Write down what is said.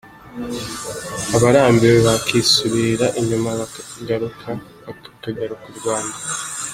Abarambiwe bakisubirira inyuma bagaruka i Rwanda.